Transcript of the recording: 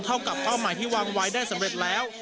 เท่ากับเป้าหมายที่วางไว้ได้สำเร็จแล้ว